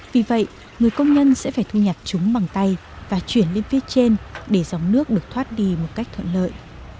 vì vậy người công nhân sẽ phải thu nhặt chúng bằng tay và chuyển lên phía trên để dòng nước được thoát đi một cách thuận lợi